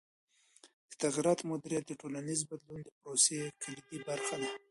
د تغییراتو مدیریت د ټولنیز بدلون د پروسې کلیدي برخه ده.